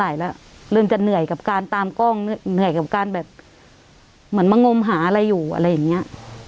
เริ่มจะเหนื่อยกับการตามกล้องเหนื่อยกับการแบบเหมือนมางมหาอะไรอยู่อะไรอย่างเงี้ย